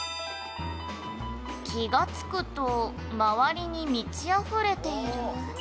「気が付くと周りに満ち溢れている」